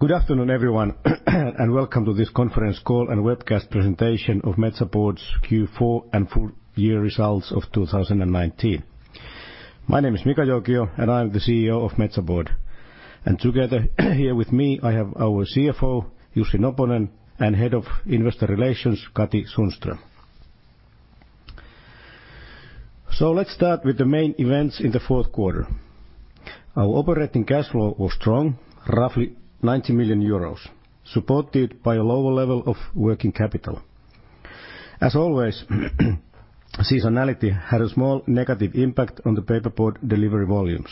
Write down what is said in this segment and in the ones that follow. Good afternoon, everyone, and welcome to this conference call and webcast presentation of Metsä Board's Q4 and full-year results of 2019. My name is Mika Joukio, and I'm the CEO of Metsä Board, and together here with me, I have our CFO, Jussi Noponen, and Head of Investor Relations, Katri Sundström, so let's start with the main events in the fourth quarter. Our operating cash flow was strong, roughly 90 million euros, supported by a lower level of working capital. As always, seasonality had a small negative impact on the paperboard delivery volumes.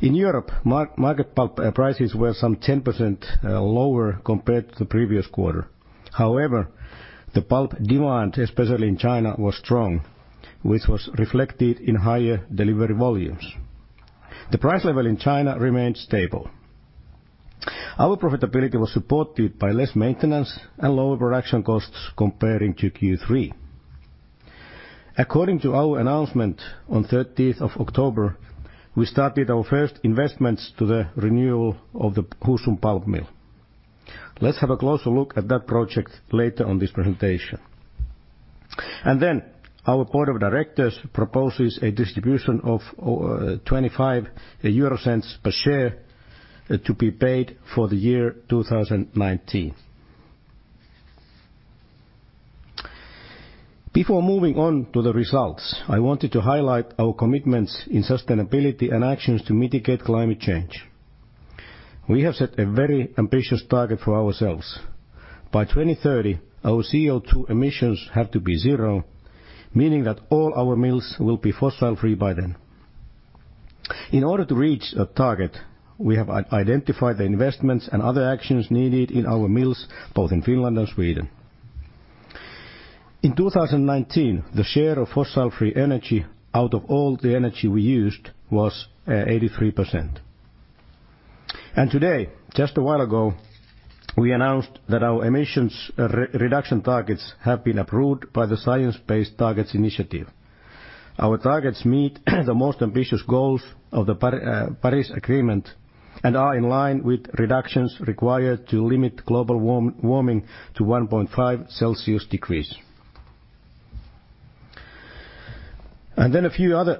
In Europe, market prices were some 10% lower compared to the previous quarter. However, the box demand, especially in China, was strong, which was reflected in higher delivery volumes. The price level in China remained stable. Our profitability was supported by less maintenance and lower production costs compared to Q3. According to our announcement on the 30th of October, we started our first investments to the renewal of the Husum pulp mill. Let's have a closer look at that project later on this presentation. And then, our board of directors proposes a distribution of 0.25 per share to be paid for the year 2019. Before moving on to the results, I wanted to highlight our commitments in sustainability and actions to mitigate climate change. We have set a very ambitious target for ourselves. By 2030, our CO2 emissions have to be zero, meaning that all our mills will be fossil-free by then. In order to reach that target, we have identified the investments and other actions needed in our mills, both in Finland and Sweden. In 2019, the share of fossil-free energy out of all the energy we used was 83%. Today, just a while ago, we announced that our emissions reduction targets have been approved by the Science Based Targets initiative. Our targets meet the most ambitious goals of the Paris Agreement and are in line with reductions required to limit global warming to 1.5 degrees Celsius. A few other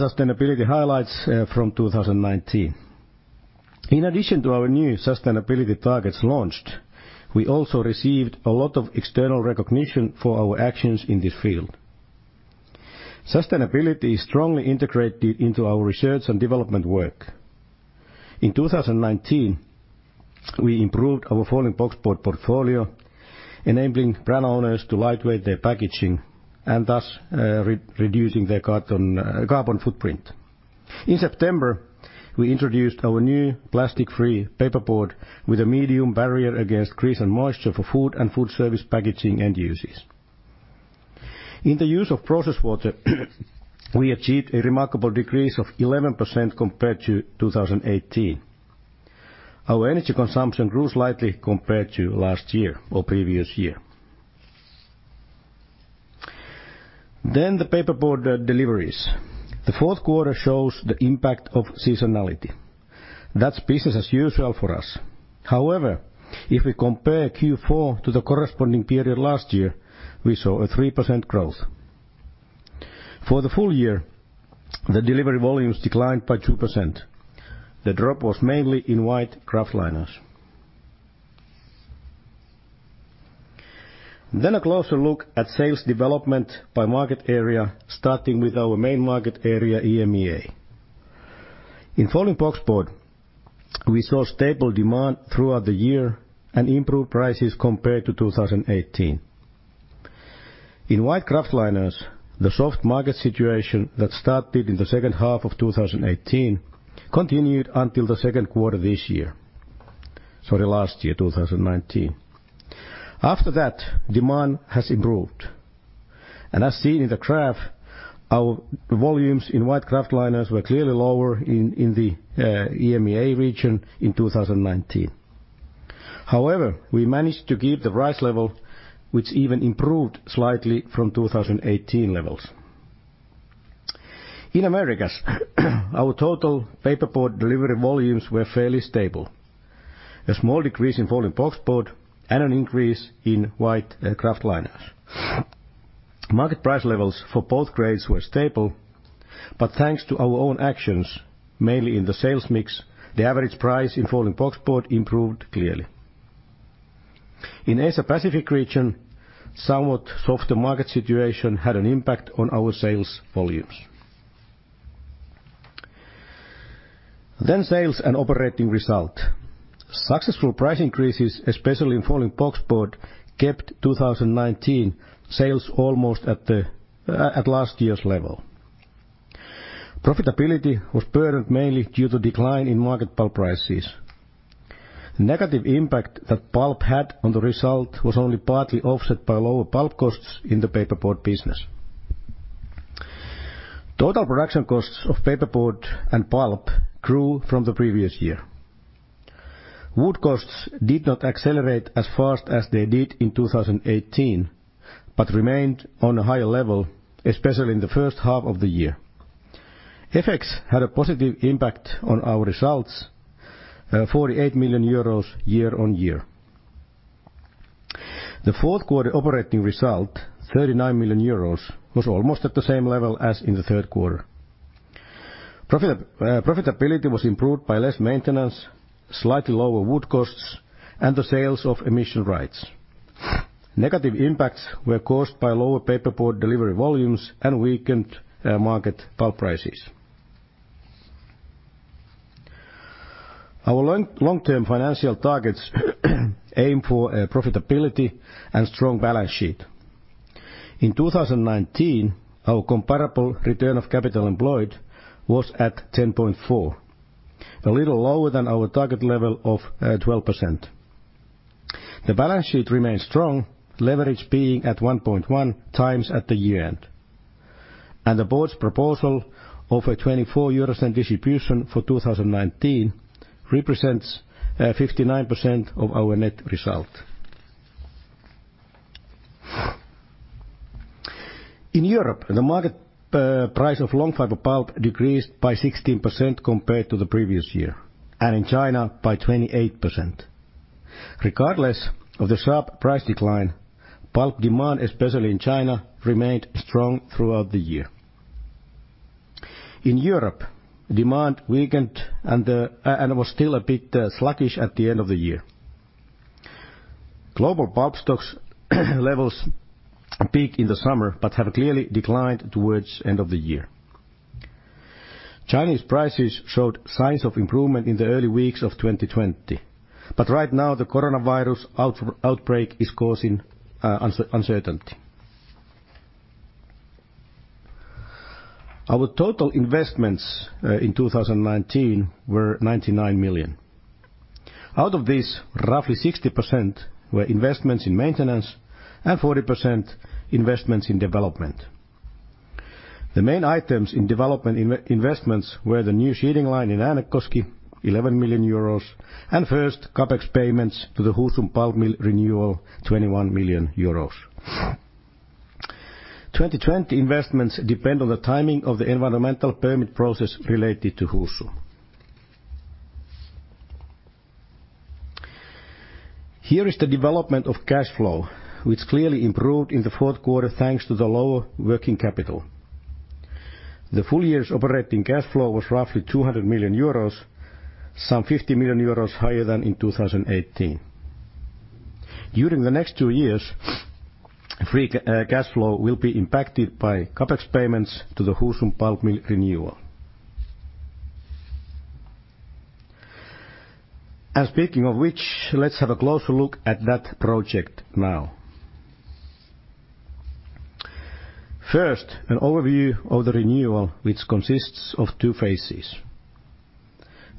sustainability highlights from 2019. In addition to our new sustainability targets launched, we also received a lot of external recognition for our actions in this field. Sustainability is strongly integrated into our research and development work. In 2019, we improved our folding boxboard portfolio, enabling brand owners to lightweight their packaging and thus reducing their carbon footprint. In September, we introduced our new plastic-free paperboard with a medium barrier against grease and moisture for food and food service packaging end uses. In the use of processed water, we achieved a remarkable decrease of 11% compared to 2018. Our energy consumption grew slightly compared to last year or previous year. Then, the paperboard deliveries. The fourth quarter shows the impact of seasonality. That's business as usual for us. However, if we compare Q4 to the corresponding period last year, we saw a 3% growth. For the full year, the delivery volumes declined by 2%. The drop was mainly in white kraftliners. Then, a closer look at sales development by market area, starting with our main market area, EMEA. In folding boxboard, we saw stable demand throughout the year and improved prices compared to 2018. In white kraftliners, the soft market situation that started in the second half of 2018 continued until the second quarter this year. Sorry, last year, 2019. After that, demand has improved. As seen in the graph, our volumes in white kraftliners were clearly lower in the EMEA region in 2019. However, we managed to keep the price level, which even improved slightly from 2018 levels. In Americas, our total paperboard delivery volumes were fairly stable. A small decrease in folding boxboard and an increase in white kraftliners. Market price levels for both grades were stable, but thanks to our own actions, mainly in the sales mix, the average price in folding boxboard improved clearly. In the Asia-Pacific region, somewhat softer market situation had an impact on our sales volumes. Sales and operating result. Successful price increases, especially in folding boxboard, kept 2019 sales almost at last year's level. Profitability was burdened mainly due to decline in market pulp prices. The negative impact that pulp had on the result was only partly offset by lower pulp costs in the paperboard business. Total production costs of paperboard and pulp grew from the previous year. Wood costs did not accelerate as fast as they did in 2018, but remained on a higher level, especially in the first half of the year. FX had a positive impact on our results, 48 million euros year on year. The fourth quarter operating result, 39 million euros, was almost at the same level as in the third quarter. Profitability was improved by less maintenance, slightly lower wood costs, and the sales of emission rights. Negative impacts were caused by lower paperboard delivery volumes and weakened market pulp prices. Our long-term financial targets aim for profitability and strong balance sheet. In 2019, our comparable return on capital employed was 10.4%, a little lower than our target level of 12%. The balance sheet remained strong, leverage being at 1.1 times at the year-end. The board's proposal of a 0.24 euro distribution for 2019 represents 59% of our net result. In Europe, the market price of long fiber pulp decreased by 16% compared to the previous year, and in China by 28%. Regardless of the sharp price decline, pulp demand, especially in China, remained strong throughout the year. In Europe, demand weakened and was still a bit sluggish at the end of the year. Global pulp stock levels peaked in the summer but have clearly declined towards the end of the year. Chinese prices showed signs of improvement in the early weeks of 2020, but right now the Coronavirus outbreak is causing uncertainty. Our total investments in 2019 were 99 million. Out of these, roughly 60% were investments in maintenance and 40% investments in development. The main items in development investments were the new sheeting line in Äänekoski, 11 million euros, and first Capex payments to the Husum pulp mill renewal, 21 million euros. 2020 investments depend on the timing of the environmental permit process related to Husum. Here is the development of cash flow, which clearly improved in the fourth quarter thanks to the lower working capital. The full year's operating cash flow was roughly 200 million euros, some 50 million euros higher than in 2018. During the next two years, free cash flow will be impacted by Capex payments to the Husum pulp mill renewal. And speaking of which, let's have a closer look at that project now. First, an overview of the renewal, which consists of two phases.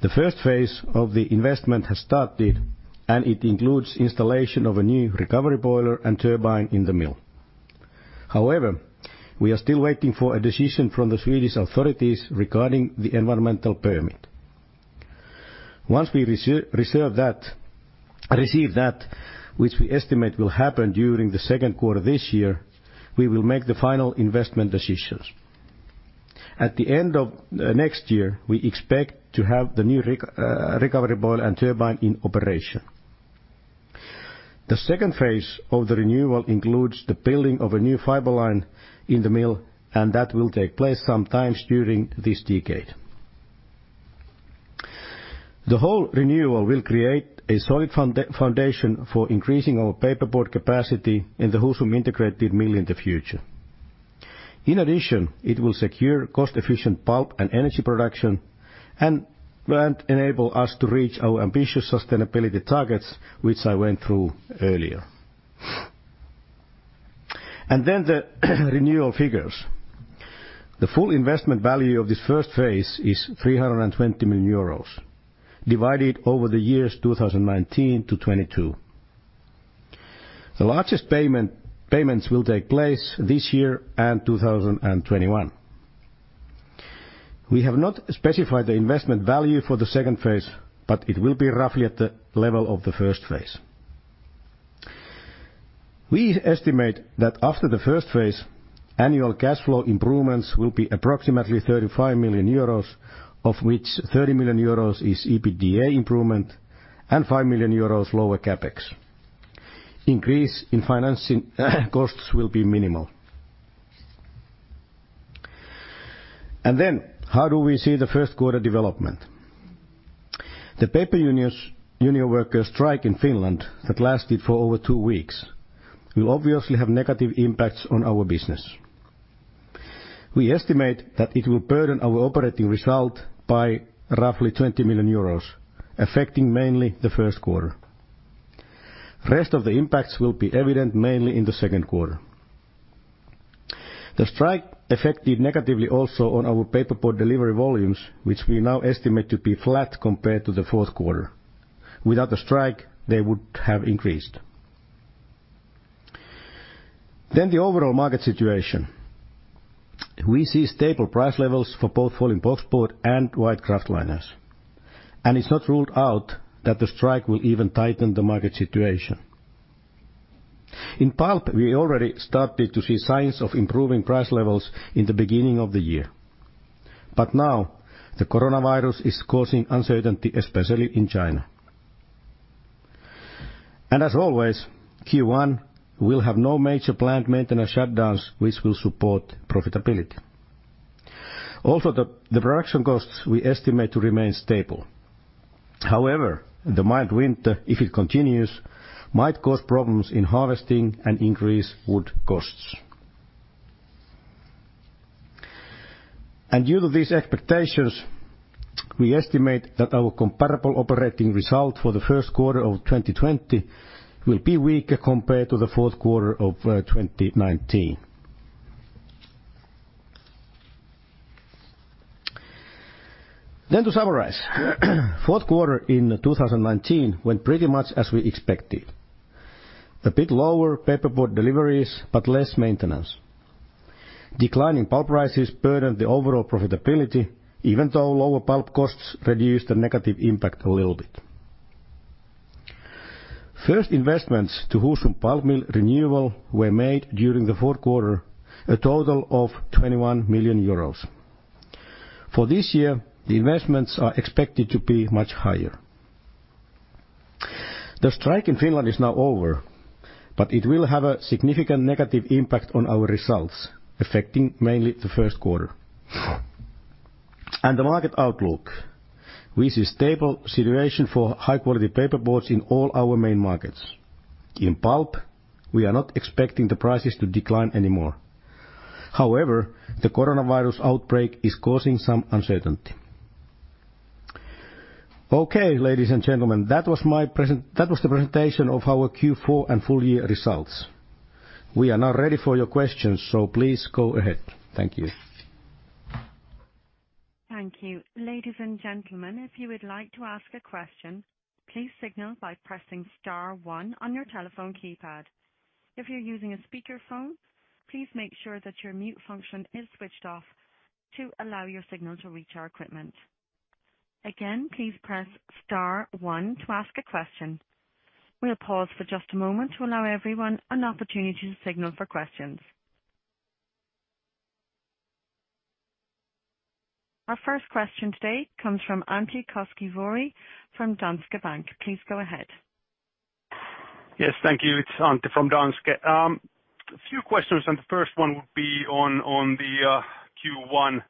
The first phase of the investment has started, and it includes installation of a new recovery boiler and turbine in the mill. However, we are still waiting for a decision from the Swedish authorities regarding the environmental permit. Once we receive that, which we estimate will happen during the second quarter this year, we will make the final investment decisions. At the end of next year, we expect to have the new recovery boiler and turbine in operation. The second phase of the renewal includes the building of a new fiber line in the mill, and that will take place sometime during this decade. The whole renewal will create a solid foundation for increasing our paperboard capacity in the Husum integrated mill in the future. In addition, it will secure cost-efficient pulp and energy production and enable us to reach our ambitious sustainability targets, which I went through earlier. And then the renewal figures. The full investment value of this first phase is 320 million euros, divided over the years 2019 to 2022. The largest payments will take place this year and 2021. We have not specified the investment value for the second phase, but it will be roughly at the level of the first phase. We estimate that after the first phase, annual cash flow improvements will be approximately 35 million euros, of which 30 million euros is EBITDA improvement and 5 million euros lower CapEx. Increase in financing costs will be minimal. And then, how do we see the first quarter development? The Paper Workers' Union strike in Finland that lasted for over two weeks will obviously have negative impacts on our business. We estimate that it will burden our operating result by roughly 20 million euros, affecting mainly the first quarter. The rest of the impacts will be evident mainly in the second quarter. The strike affected negatively also on our paperboard delivery volumes, which we now estimate to be flat compared to the fourth quarter. Without the strike, they would have increased, then the overall market situation. We see stable price levels for both folding boxboard and white kraftliners, and it's not ruled out that the strike will even tighten the market situation. In pulp, we already started to see signs of improving price levels in the beginning of the year, but now, the coronavirus is causing uncertainty, especially in China, and as always, Q1, we'll have no major plant maintenance shutdowns, which will support profitability. Also, the production costs we estimate to remain stable. However, the mild winter, if it continues, might cause problems in harvesting and increase wood costs. Due to these expectations, we estimate that our comparable operating result for the first quarter of 2020 will be weaker compared to the fourth quarter of 2019. To summarize, the fourth quarter in 2019 went pretty much as we expected. A bit lower paperboard deliveries, but less maintenance. Declining pulp prices burdened the overall profitability, even though lower pulp costs reduced the negative impact a little bit. First investments to Husum pulp mill renewal were made during the fourth quarter, a total of 21 million euros. For this year, the investments are expected to be much higher. The strike in Finland is now over, but it will have a significant negative impact on our results, affecting mainly the first quarter. The market outlook. We see a stable situation for high-quality paperboards in all our main markets. In pulp, we are not expecting the prices to decline anymore. However, the coronavirus outbreak is causing some uncertainty. Okay, ladies and gentlemen, that was the presentation of our Q4 and full year results. We are now ready for your questions, so please go ahead. Thank you. Thank you. Ladies and gentlemen, if you would like to ask a question, please signal by pressing star one on your telephone keypad. If you're using a speakerphone, please make sure that your mute function is switched off to allow your signal to reach our equipment. Again, please press star one to ask a question. We'll pause for just a moment to allow everyone an opportunity to signal for questions. Our first question today comes from Antti Koskivuori from Danske Bank. Please go ahead. Yes, thank you. It's Antti from Danske. A few questions, and the first one would be on the Q1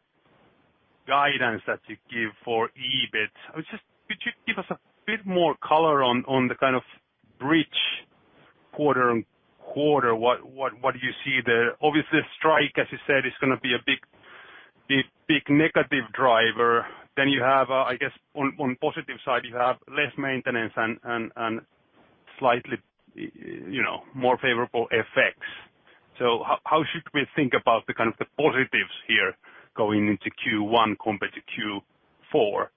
guidance that you give for EBIT. Could you give us a bit more color on the kind of bridge quarter on quarter? What do you see there? Obviously, the strike, as you said, is going to be a big negative driver. Then you have, I guess, on the positive side, you have less maintenance and slightly more favorable effects. So how should we think about the kind of positives here going into Q1 compared to Q4?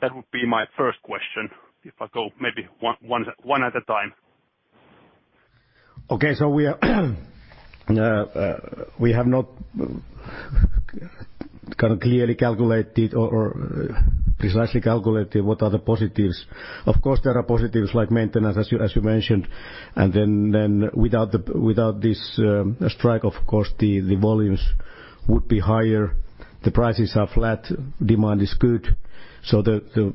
That would be my first question, if I go maybe one at a time. Okay, so we have not kind of clearly calculated or precisely calculated what are the positives. Of course, there are positives like maintenance, as you mentioned. And then without this strike, of course, the volumes would be higher. The prices are flat. Demand is good. So the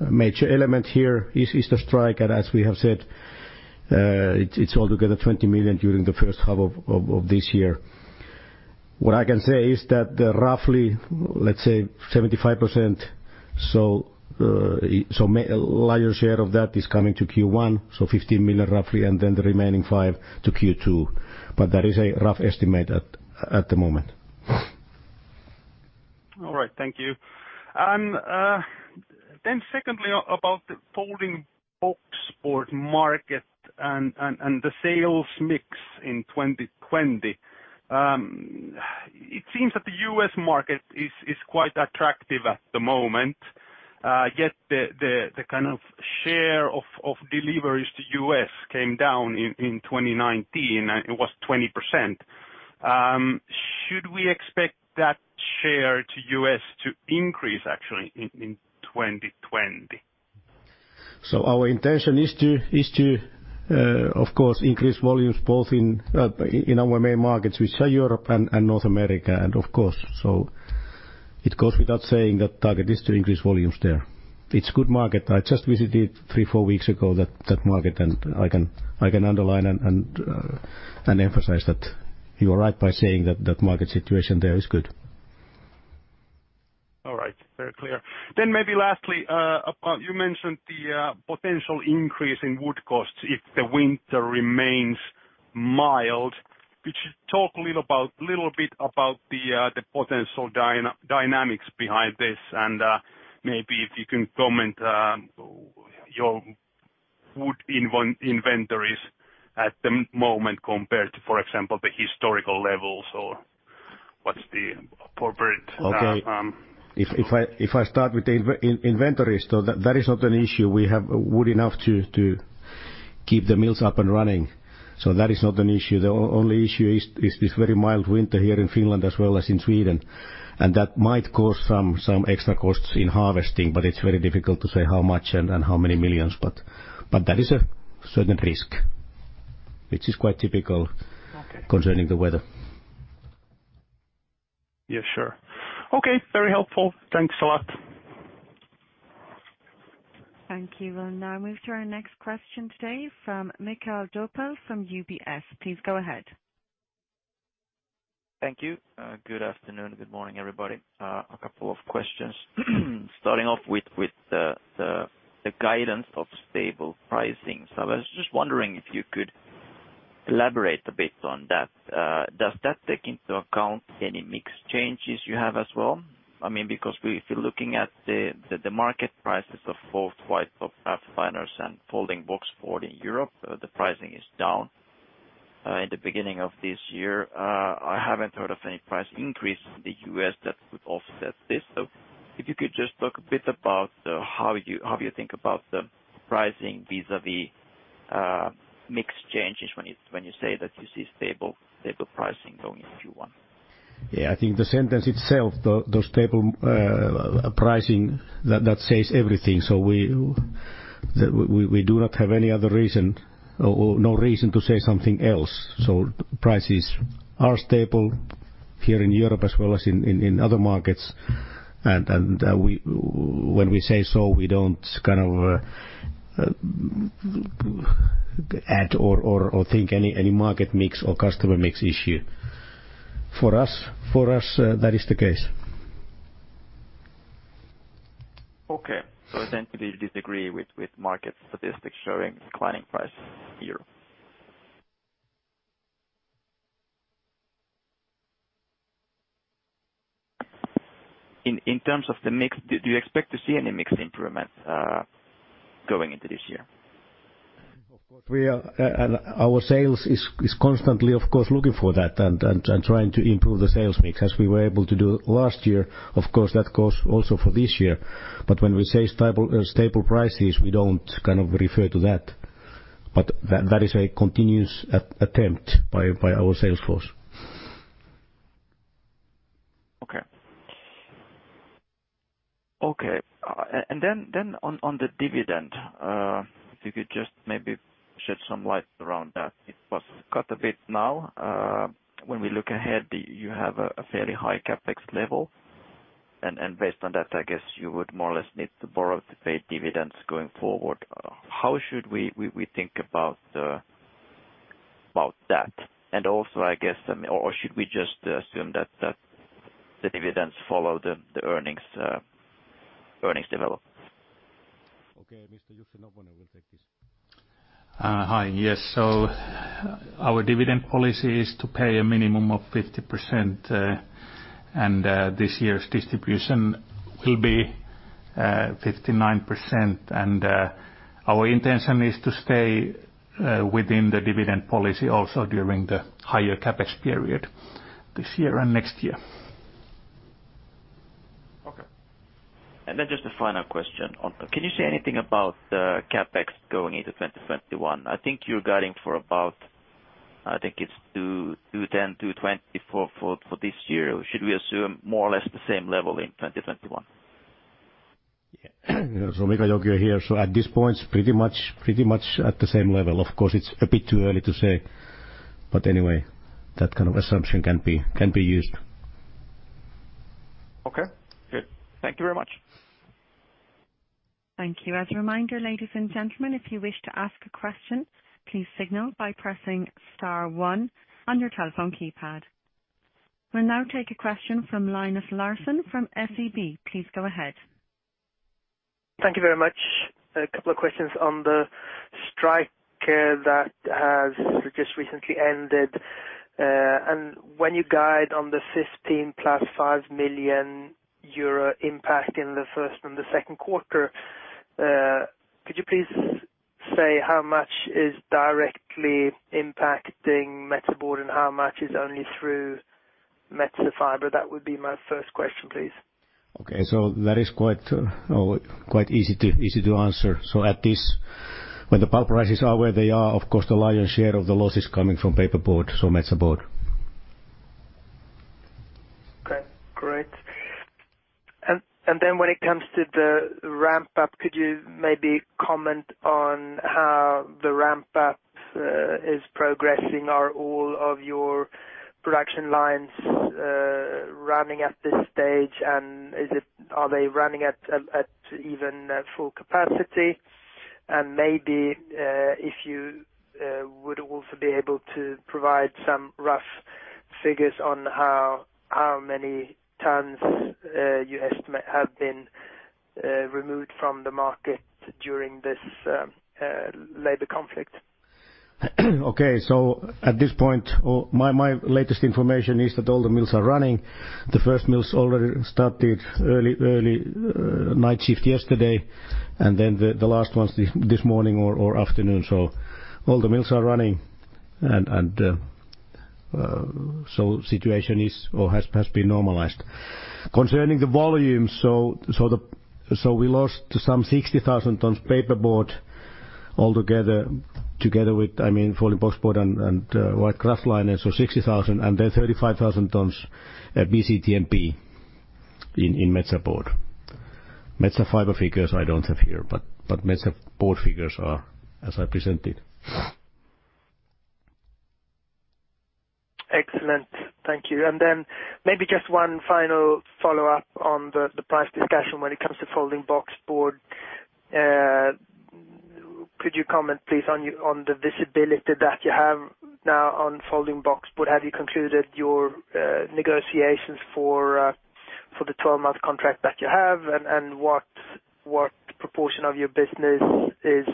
major element here is the strike, and as we have said, it's altogether 20 million during the first half of this year. What I can say is that roughly, let's say, 75%, so a larger share of that is coming to Q1, so 15 million roughly, and then the remaining 5 million to Q2. But that is a rough estimate at the moment. All right, thank you. And then secondly, about the folding boxboard market and the sales mix in 2020. It seems that the U.S. market is quite attractive at the moment, yet the kind of share of deliveries to U.S. came down in 2019, and it was 20%. Should we expect that share to U.S. to increase actually in 2020? So our intention is to, of course, increase volumes both in our main markets, which are Europe and North America, and of course, so it goes without saying that the target is to increase volumes there. It's a good market. I just visited, three, four weeks ago, that market, and I can underline and emphasize that you are right by saying that that market situation there is good. All right, very clear. Then maybe lastly, you mentioned the potential increase in wood costs if the winter remains mild. Could you talk a little bit about the potential dynamics behind this, and maybe if you can comment on your wood inventories at the moment compared to, for example, the historical levels, or what's the appropriate? Okay. If I start with the inventories, so that is not an issue. We have wood enough to keep the mills up and running. So that is not an issue. The only issue is this very mild winter here in Finland as well as in Sweden, and that might cause some extra costs in harvesting, but it's very difficult to say how much and how many millions, but that is a certain risk, which is quite typical concerning the weather. Yes, sure. Okay, very helpful. Thanks a lot. Thank you. We'll now move to our next question today from Mikael Jåfs from UBS. Please go ahead. Thank you. Good afternoon and good morning, everybody. A couple of questions. Starting off with the guidance of stable pricing. So I was just wondering if you could elaborate a bit on that. Does that take into account any mixed changes you have as well? I mean, because if you're looking at the market prices of both white kraftliners and folding boxboard in Europe, the pricing is down. At the beginning of this year, I haven't heard of any price increase in the US that would offset this. So if you could just talk a bit about how you think about the pricing vis-à-vis mixed changes when you say that you see stable pricing going into Q1. Yeah, I think the sentence itself, the stable pricing, that says everything. So we do not have any other reason or no reason to say something else. So prices are stable here in Europe as well as in other markets. And when we say so, we don't kind of add or think any market mix or customer mix issue. For us, that is the case. Okay. So essentially, you disagree with market statistics showing declining prices this year. In terms of the mix, do you expect to see any mixed improvements going into this year? Our sales is constantly, of course, looking for that and trying to improve the sales mix, as we were able to do last year. Of course, that goes also for this year. But when we say stable prices, we don't kind of refer to that. But that is a continuous attempt by our sales force. Okay. Okay. And then on the dividend, if you could just maybe shed some light around that. It was cut a bit now. When we look ahead, you have a fairly high CapEx level. And based on that, I guess you would more or less need to borrow to pay dividends going forward. How should we think about that? And also, I guess, or should we just assume that the dividends follow the earnings develop? Okay, Mr. Jussi Noponen, we'll take this. Hi, yes. So our dividend policy is to pay a minimum of 50%, and this year's distribution will be 59%. And our intention is to stay within the dividend policy also during the higher CapEx period this year and next year. Okay. And then just a final question. Can you say anything about the CapEx going into 2021? I think you're guiding for about, I think it's 210-220 for this year. Should we assume more or less the same level in 2021? Yeah. So Mikael Jåfs here. So at this point, pretty much at the same level. Of course, it's a bit too early to say, but anyway, that kind of assumption can be used. Okay. Good. Thank you very much. Thank you. As a reminder, ladies and gentlemen, if you wish to ask a question, please signal by pressing star one on your telephone keypad. We'll now take a question from Linus Larsson from SEB. Please go ahead. Thank you very much. A couple of questions on the strike that has just recently ended. And when you guide on the 15 million plus 5 million euro impact in the first and the second quarter, could you please say how much is directly impacting Metsä Board and how much is only through Metsä Fibre? That would be my first question, please. Okay. So that is quite easy to answer. So at this, when the pulp prices are where they are, of course, the lion's share of the loss is coming from paperboard, so Metsä Board. Okay. Great. And then when it comes to the ramp-up, could you maybe comment on how the ramp-up is progressing? Are all of your production lines running at this stage, and are they running at even full capacity? And maybe if you would also be able to provide some rough figures on how many tons you estimate have been removed from the market during this labor conflict. Okay. So at this point, my latest information is that all the mills are running. The first mills already started early night shift yesterday, and then the last ones this morning or afternoon. So all the mills are running, and so the situation has been normalized. Concerning the volumes, so we lost some 60,000 tons of paperboard altogether, together with, I mean, folding boxboard and white kraftliner, so 60,000, and then 35,000 tons of BCTMP in Metsä Board. Metsä Fibre figures I don't have here, but Metsä Board figures are as I presented. Excellent. Thank you. And then maybe just one final follow-up on the price discussion when it comes to folding boxboard. Could you comment, please, on the visibility that you have now on folding boxboard? Have you concluded your negotiations for the 12-month contract that you have, and what proportion of your business is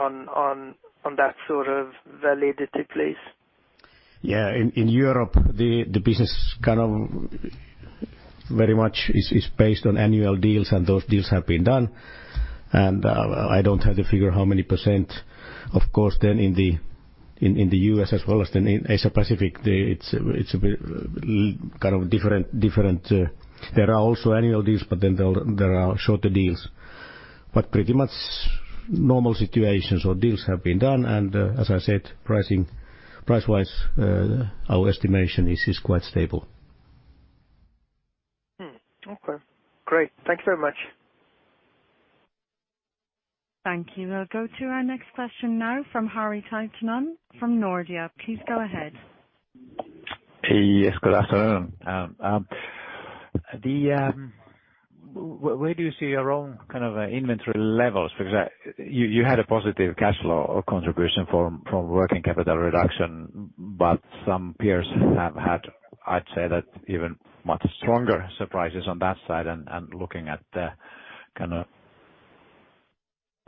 on that sort of validity, please? Yeah. In Europe, the business kind of very much is based on annual deals, and those deals have been done. And I don't have the figure how many %, of course, then in the U.S. as well as in Asia-Pacific. It's kind of different. There are also annual deals, but then there are shorter deals. But pretty much normal situations, so deals have been done. And as I said, price-wise, our estimation is quite stable. Okay. Great. Thank you very much. Thank you. We'll go to our next question now from Harri Taittonen from Nordea. Please go ahead. Yes, good afternoon. Where do you see your own kind of inventory levels? Because you had a positive cash flow contribution from working capital reduction, but some peers have had, I'd say, that even much stronger surprises on that side, and looking at the kind of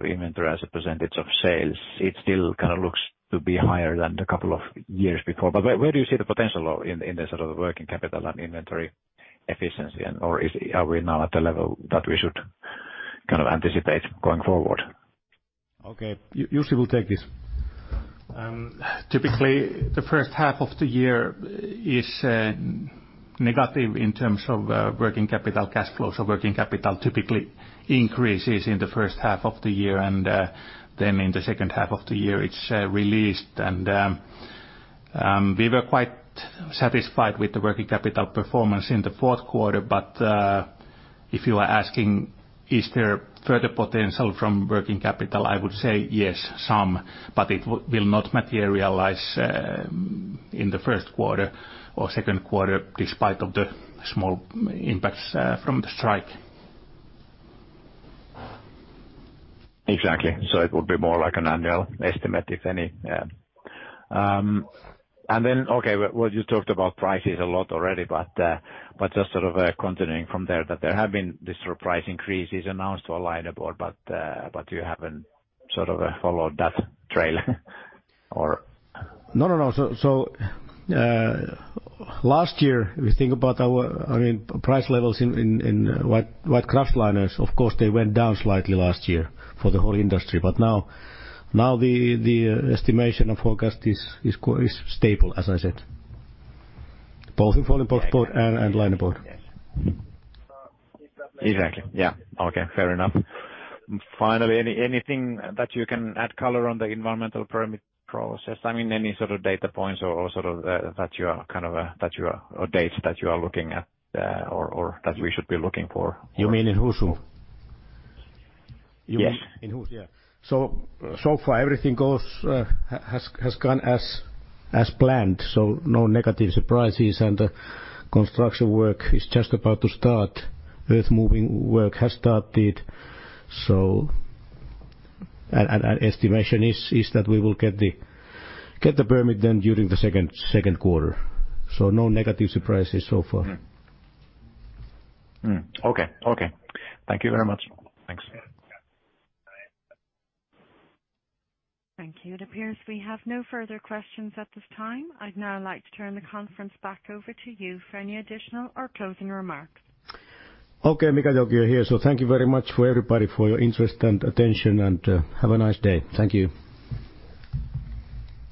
inventory as a percentage of sales, it still kind of looks to be higher than a couple of years before, but where do you see the potential in this sort of working capital and inventory efficiency, and are we now at the level that we should kind of anticipate going forward? Okay. Jussi will take this. Typically, the first half of the year is negative in terms of working capital cash flow. So working capital typically increases in the first half of the year, and then in the second half of the year, it's released. And we were quite satisfied with the working capital performance in the fourth quarter. But if you are asking is there further potential from working capital, I would say yes, some, but it will not materialize in the first quarter or second quarter despite the small impacts from the strike. Exactly. So it would be more like an annual estimate, if any. And then, okay, well, you talked about prices a lot already, but just sort of continuing from there, that there have been this sort of price increases announced to our linerboard, but you haven't sort of followed that trail, or? No, no, no. So last year, if you think about our price levels in white kraftliners, of course, they went down slightly last year for the whole industry. But now the estimation of forecast is stable, as I said, both in folding boxboard and linerboard. Exactly. Yeah. Okay. Fair enough. Finally, anything that you can add color on the environmental permit process? I mean, any sort of data points or sort of dates that you are kind of looking at or that we should be looking for? You mean in Husum? Yes. In Husum, yeah. So far, everything has gone as planned. So no negative surprises, and the construction work is just about to start. Earth-moving work has started. So an estimation is that we will get the permit then during the second quarter. So no negative surprises so far. Okay. Okay. Thank you very much. Thanks. Thank you. It appears we have no further questions at this time. I'd now like to turn the conference back over to you for any additional or closing remarks. Okay. Mikael Jåfs here, so thank you very much for everybody for your interest and attention, and have a nice day. Thank you.